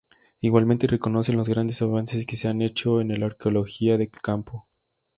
Igualmente reconocen los grandes avances que se han hecho en la arqueología de campo.